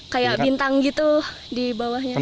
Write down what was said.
kayak bintang gitu di bawahnya